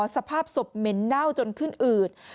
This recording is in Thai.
สภาพศพเหม็นเน่าจนขึ้นอืด